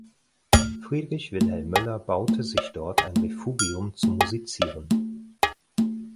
Friedrich Wilhelm Möller baute sich dort ein Refugium zum Musizieren.